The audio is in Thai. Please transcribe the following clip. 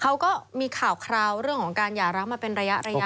เขาก็มีข่าวคราวเรื่องของการหย่ารักมาเป็นระยะ